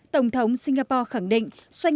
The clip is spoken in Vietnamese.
tổng thống singapore khẳng định